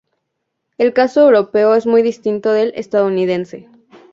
El caso europeo es muy distinto del estadounidense.